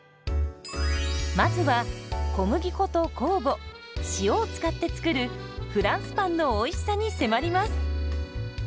まずは小麦粉と酵母塩を使って作るフランスパンのおいしさに迫ります。